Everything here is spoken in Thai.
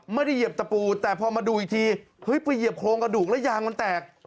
เหยียบตะปูแต่พอมาดูอีกทีเฮ้ยไปเหยียบโครงกระดูกแล้วยางมันแตก